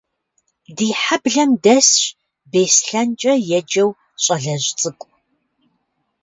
Ди хьэблэм дэсщ Беслъэнкӏэ еджэу щӀалэжь цӀыкӀу.